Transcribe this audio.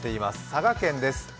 佐賀県です。